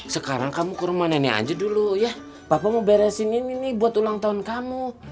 sekarang kamu kurang aja dulu ya bapak mau beresin ini buat ulang tahun kamu